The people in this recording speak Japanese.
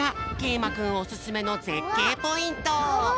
いまくんおすすめのぜっけいポイント。